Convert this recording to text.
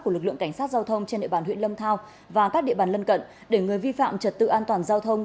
của lực lượng cảnh sát giao thông trên địa bàn huyện lâm thao và các địa bàn lân cận để người vi phạm trật tự an toàn giao thông